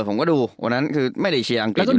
ผมก็ดูวันนั้นคือไม่ได้เชียร์อังกฤษอยู่